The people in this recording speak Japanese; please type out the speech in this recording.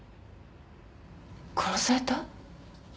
殺された？